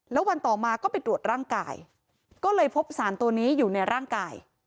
แล้ววันต่อมาก็ไปตรวจร่างกายก็เลยพบสารตัวนี้อยู่ในร่างกาย